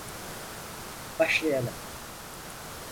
Başlayalım.